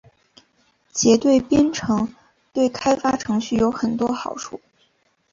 结对编程对开发程序有很多好处。